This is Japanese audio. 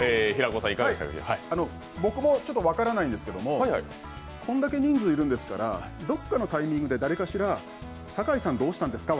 僕もちょっと分からないんですけど、こんだけ人数いるんですから、どっかのタイミングでどっかしら、酒井さんどうしたんですか？